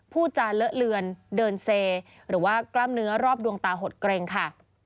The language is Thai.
ผู้จาเลอะเลือนเดินเซหรือว่ากล้ามเนื้อรอบดวงตาหดเกร็งค่ะ